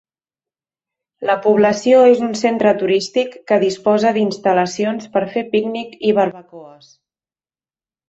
La població és un centre turístic que disposa d'instal·lacions per fer pícnic i barbacoes.